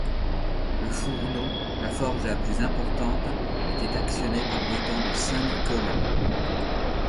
Le Fourneau, la forge la plus importante, était actionné par l’étang de Saint-Nicolas.